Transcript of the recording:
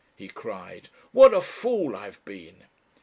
he cried. "What a fool I have been!"